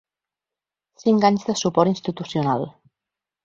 Cinc anys de suport institucional.